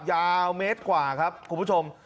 ยาวเมตรกว่าครับคุณผู้ชม